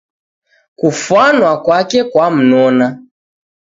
Kufwanwa kwake kwamnona.